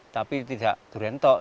tapi tidak durian tok